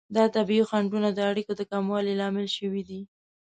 دا طبیعي خنډونه د اړیکو د کموالي لامل شوي دي.